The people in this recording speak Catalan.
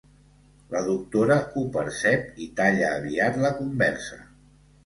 La doctora ho percep i talla aviat la conversa.